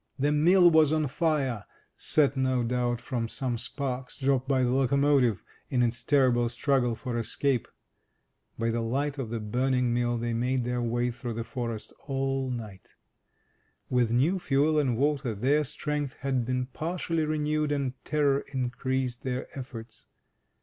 The mill was on fire, set, no doubt, from some sparks dropped by the locomotivean its terrible struggle for escape. By the light of the burning mill they made their way through the forest all night. With new fuel and water their strength had been partially renewed, and terror increased their efforts.